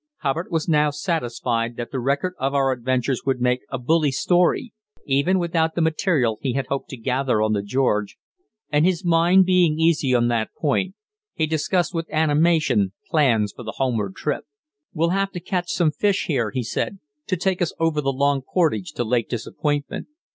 Hubbard was now satisfied that the record of our adventures would make a "bully story," even without the material he had hoped to gather on the George, and his mind being easy on that point, he discussed with animation plans for the homeward trip. "We'll have to catch some fish here," he said, "to take us over the long portage to Lake Disappointment.